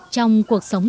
trong cuộc sống thượng